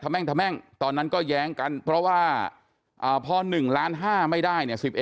แม่งทะแม่งตอนนั้นก็แย้งกันเพราะว่าพอ๑ล้าน๕ไม่ได้เนี่ย